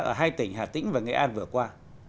ở hai tỉnh hà tĩnh và nghệ an vừa qua